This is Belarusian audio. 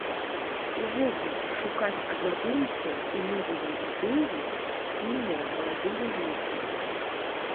Увогуле, шукаць аднадумцаў і новыя ідэі схільныя маладыя людзі.